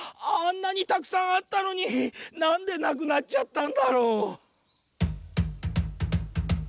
あんなにたくさんあったのになんでなくなっちゃったんだろう」。